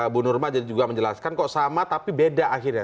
bu nurmawati juga menjelaskan kok sama tapi beda akhirnya